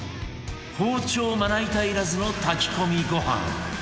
包丁まな板いらずの炊き込みご飯